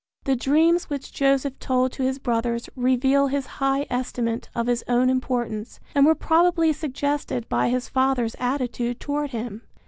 The dreams which Joseph told to his brothers reveal his high estimate of his own importance and were probably suggested by his father's attitude toward him.